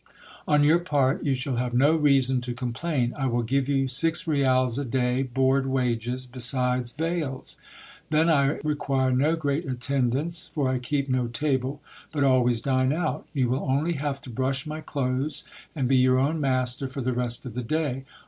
On your part, you shall have no reason to complain. I will give you six rials a day board wages, besides vails. Then I require no great attendance, for I keep no table, but always dine out. You will only have to brush my clothes, and be your own master for the rest of the day.